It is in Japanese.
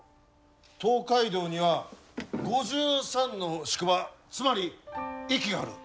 東海道には５３の宿場つまり駅がある。